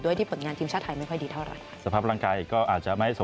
ด้วยที่ผลงานทีมชาติไทยไม่ค่อยดีเท่าไหร่